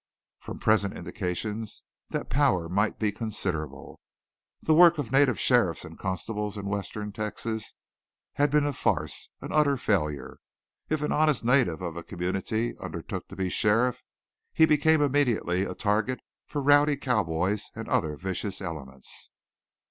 From present indications that power might be considerable. The work of native sheriffs and constables in western Texas had been a farce, an utter failure. If an honest native of a community undertook to be a sheriff he became immediately a target for rowdy cowboys and other vicious elements.